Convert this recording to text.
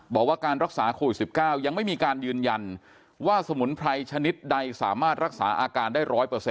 บอกว่าการรักษาโควิด๑๙ยังไม่มีการยืนยันว่าสมุนไพรชนิดใดสามารถรักษาอาการได้๑๐๐